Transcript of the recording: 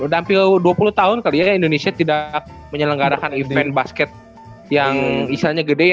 udah hampir dua puluh tahun kali ya indonesia tidak menyelenggarakan event basket yang isanya gede